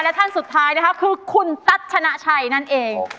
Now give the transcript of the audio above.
และท่านสุดท้ายนะคะคือคุณตัชชนะชัยนั่นเอง